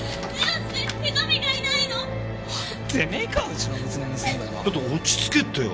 ちょっと落ち着けってよ。